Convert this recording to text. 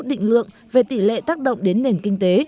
định lượng về tỷ lệ tác động đến nền kinh tế